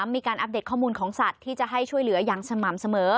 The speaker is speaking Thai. อัปเดตข้อมูลของสัตว์ที่จะให้ช่วยเหลืออย่างสม่ำเสมอ